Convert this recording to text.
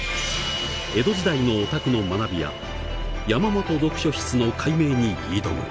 江戸時代のオタクの学びや山本読書室の解明に挑む。